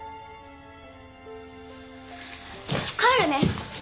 帰るね。